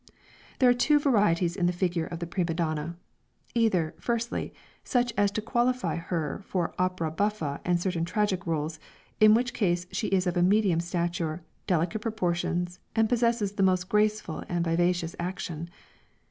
There are two varieties in the figure of the prima donna; either, firstly, such as to qualify her for opera buffa and certain tragic roles, in which case she is of medium stature, delicate proportions, and possesses the most graceful and vivacious action.